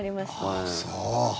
ああ、そう。